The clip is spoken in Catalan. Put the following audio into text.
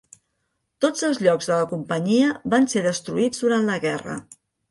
Tots els llocs de la companyia van ser destruïts durant la guerra.